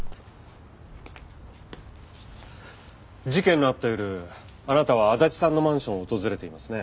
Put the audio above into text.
事件のあった夜あなたは足立さんのマンションを訪れていますね。